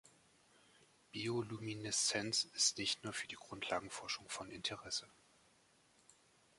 Biolumineszenz ist nicht nur für die Grundlagenforschung von Interesse.